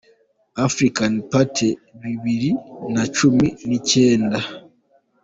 African Party bibiri na cumi n’icyenda